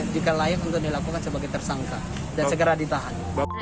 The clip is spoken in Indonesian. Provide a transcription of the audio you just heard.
jika layak untuk dilakukan sebagai tersangka dan segera ditahan